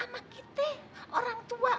ama kita orang tua